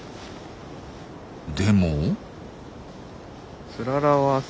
でも。